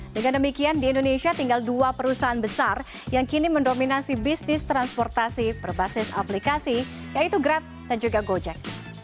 dengan demikian di indonesia tinggal dua perusahaan besar yang kini mendominasi bisnis transportasi berbasis aplikasi yaitu grab dan juga gojek